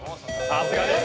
さすがです。